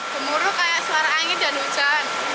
gemuruh kayak suara angin dan hujan